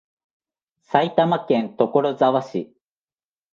埼玉県所沢市